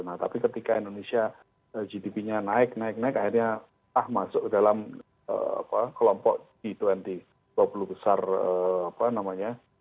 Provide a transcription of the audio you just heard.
nah tapi ketika indonesia gdp nya naik naik naik akhirnya masuk dalam kelompok g dua puluh dua puluh besar apa namanya